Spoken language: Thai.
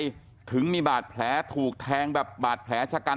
ถึงมีบาดแผลถูกแทงแบบบาดแผลชะกัน